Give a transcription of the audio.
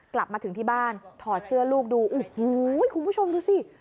กลับมาถึงที่บ้านถอดเสื้อลูกดูโอ้โหคุณผู้ชมดูสิ